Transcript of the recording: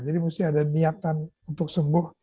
jadi mesti ada niatan untuk sembuh